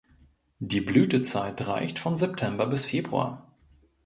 Die Blütezeit reicht von September bis Februar.